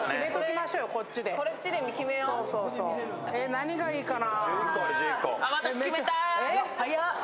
何がいいかな？